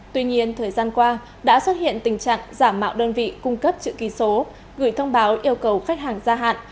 tuy nhiên thời gian qua đã xuất hiện tình trạng giả mạo đơn vị cung cấp chữ ký số gửi thông báo yêu cầu khách hàng ra hạn